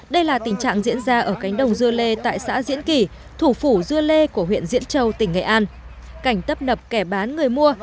đây là tình trạng diễn ra ở cánh đồng dưa lê tại xã diễn kỳ thủ phủ dưa lê của huyện diễn châu tỉnh nghệ an